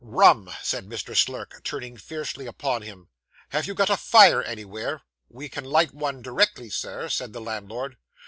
'Rum,' said Mr. Slurk, turning fiercely upon him. 'Have you got a fire anywhere?' 'We can light one directly, Sir,' said the landlord.